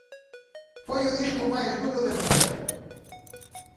Foi o disco máis duro de facer".